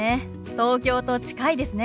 東京と近いですね。